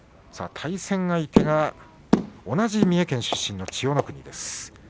対戦相手が同じ三重県出身の千代の国です。